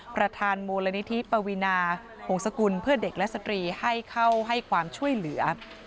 ประธานมูลนิธิปวีนาหงษกุลเพื่อเด็กและสตรีให้เข้าให้ความช่วยเหลือ